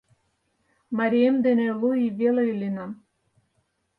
Марием дене лу ий веле иленам.